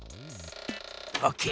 オッケー！